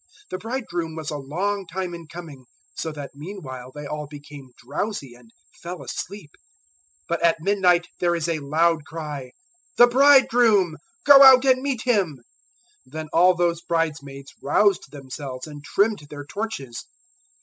025:005 The bridegroom was a long time in coming, so that meanwhile they all became drowsy and fell asleep. 025:006 But at midnight there is a loud cry, "`The bridegroom! Go out and meet him!' 025:007 "Then all those bridesmaids roused themselves and trimmed their torches.